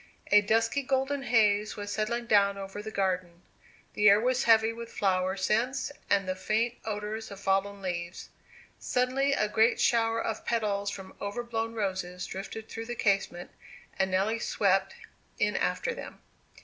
A dusky golden haze was settling down over the garden; the air was heavy with flower scents and the faint odours of fallen leaves. Suddenly a great shower of petals from over blown roses drifted through the casement, and Nelly swept in after them.